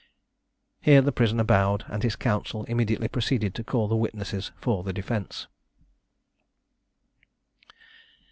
Here the prisoner bowed, and his counsel immediately proceeded to call the witnesses for the defence.